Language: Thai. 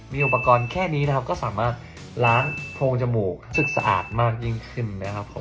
มีอุปกรณ์แค่นี้นะครับก็สามารถล้างโพรงจมูกซึ่งสะอาดมากยิ่งขึ้นนะครับผม